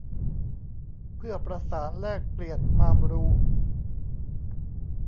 เพื่อประสานแลกเปลี่ยนความรู้